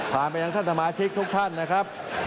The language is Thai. ผ่านไปยังท่านสมาชิกทุกท่านนะครับ